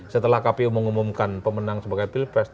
setelah kpu mengumumkan pemenang sebagai pilpres